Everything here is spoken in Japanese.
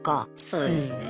そうですね。